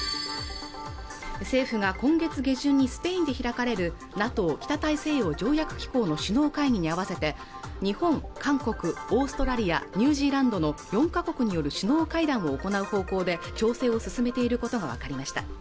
政府が今月下旬にスペインで開かれるＮＡＴＯ＝北大西洋条約機構の首脳会議に合わせて日本、韓国、オーストラリアニュージーランドの４カ国による首脳会談を行う方向で調整を進めていることが分かりました